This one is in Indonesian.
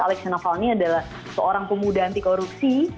alexei navalny adalah seorang pemuda anti korupsi